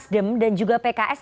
dan juga pks